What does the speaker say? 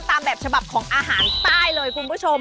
ตามแบบฉบับของอาหารใต้เลยคุณผู้ชม